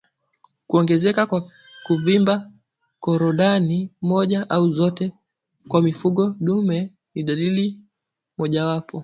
Kuongezeka na kuvimba korodani moja au zote kwa mifugo dume ni dalili moja wapo